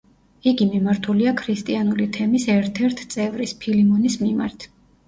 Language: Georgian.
იგი მიმართულია ქრისტიანული თემის ერთ-ერთ წევრის, ფილიმონის მიმართ.